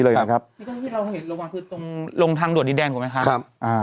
ที่เราเห็นตรงลงทางดวนดินแดนเปล่าไหมครับ